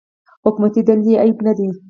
حکومتي دندې عیب نه دی.